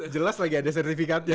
jelas lagi ada sertifikatnya